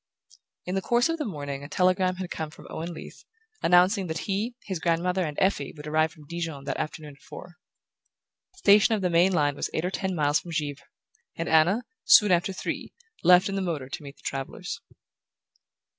In the course of the morning a telegram had come from Owen Leath, announcing that he, his grandmother and Effie would arrive from Dijon that afternoon at four. The station of the main line was eight or ten miles from Givre, and Anna, soon after three, left in the motor to meet the travellers.